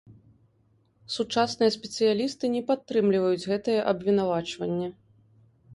Сучасныя спецыялісты не падтрымліваюць гэтае абвінавачванне.